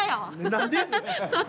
何でやねん。